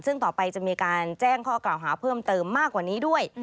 ซึ่งต่อไปจะมีการแจ้งข้อกล่าวหาเพิ่มเติมมากกว่านี้ด้วย